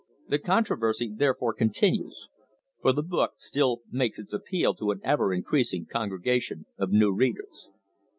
The controversy therefore continues, for the book still makes its appeal to an ever increasing congregation of new readers.